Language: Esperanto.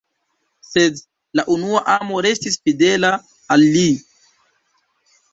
Sed la unua amo restis fidela al li.